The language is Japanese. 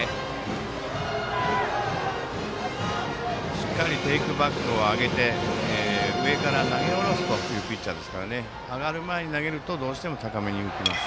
しっかりテイクバックを上げて上から投げ下ろすというピッチャーですから上がる前に投げるとどうしても高めに浮きます。